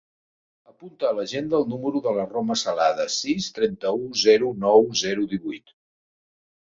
Apunta a l'agenda el número de la Roma Celada: sis, trenta-u, zero, nou, zero, divuit.